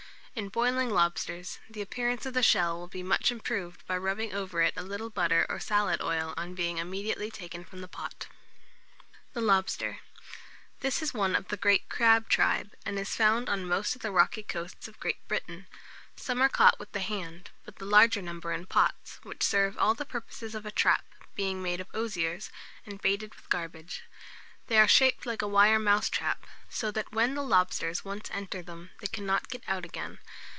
In boiling lobsters, the appearance of the shell will be much improved by rubbing over it a little butter or salad oil on being immediately taken from the pot. [Illustration: THE LOBSTER.] THE LOBSTER. This is one of the crab tribe, and is found on most of the rocky coasts of Great Britain. Some are caught with the hand, but the larger number in pots, which serve all the purposes of a trap, being made of osiers, and baited with garbage. They are shaped like a wire mousetrap; so that when the lobsters once enter them, they cannot get out again.